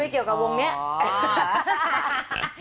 เกี่ยวกับวงนี้